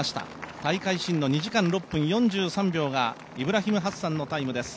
大会新の２時間６分４３秒がイブラヒム・ハッサンのタイムです